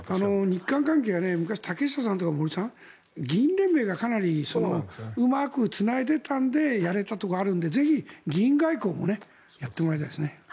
日韓関係は昔、竹下さんとか森さん議員連盟がかなりうまくつないでいたんでやれたところがあるんでぜひ、議員外交もやってもらいたいですね。